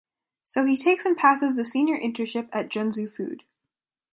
So he takes and passes the Senior Internship at Junsu Food.